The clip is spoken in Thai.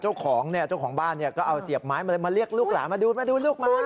เจ้าของบ้านก็เอาเสียบไม้มาเรียกลูกหลานมาดู